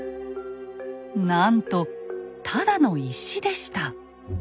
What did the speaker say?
なんとただの「石」でした。